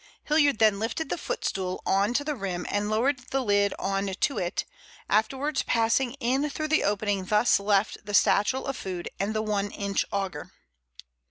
Hilliard then lifted the footstool on to the rim and lowered the lid on to it, afterwards passing in through the opening thus left the satchel of food and the one inch auger.